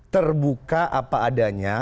terbuka apa adanya